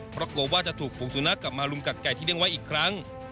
เพราะกลัวว่าจะถูกฝูงสุนัขกลับมาลุมกัดไก่ที่เลี้ยงไว้อีกครั้ง